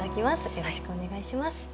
よろしくお願いします。